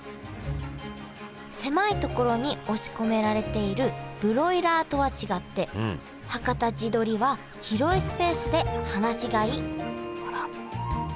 狭いところに押し込められているブロイラーとは違ってはかた地どりは広いスペースで放し飼いあら。